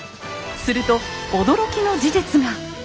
すると驚きの事実が。